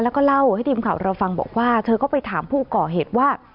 แล้วก็เล่าให้ทีมข่าวเราฟังบอกว่าเธอก็ไปถามผู้ก่อเหตุว่า